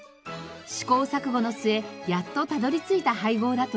試行錯誤の末やっとたどり着いた配合だといいます。